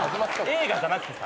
映画じゃなくてさ。